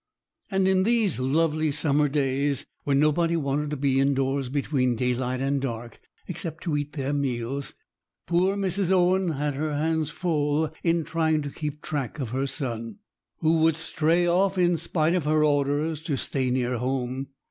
And in these lovely summer days, when nobody wanted to be indoors between daylight and dark, except to eat their meals, poor Mrs. Owen had her hands full in trying to keep track of her son, who would stray off in spite of her orders to stay near home.